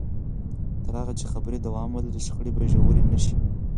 تر هغه چې خبرې دوام ولري، شخړې به ژورې نه شي.